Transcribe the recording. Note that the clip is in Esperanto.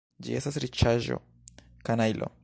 Ĝi estas riĉaĵo, kanajlo!